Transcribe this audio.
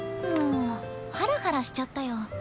もうハラハラしちゃったよ